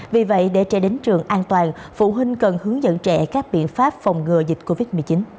vì vậy để trẻ đến trường an toàn phụ huynh cần hướng dẫn trẻ các biện pháp phòng ngừa dịch covid một mươi chín